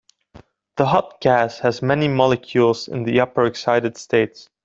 The hot gas has many molecules in the upper excited states.